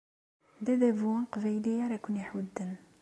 D adabu aqbayli ara ken-iḥudden.